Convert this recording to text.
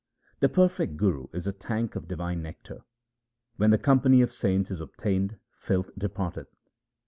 The perfect Guru is a tank of divine nectar ; when the company of saints is obtained filth departeth.